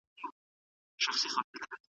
آیا ارواپوهنه د فردي چلند علم دی؟